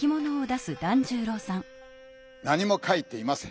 何も書いていません。